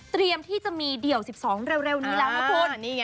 ที่จะมีเดี่ยว๑๒เร็วนี้แล้วนะคุณ